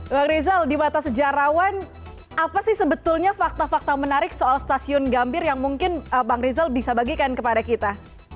bang rizal di mata sejarawan apa sih sebetulnya fakta fakta menarik soal stasiun gambir yang mungkin bang rizal bisa bagikan kepada kita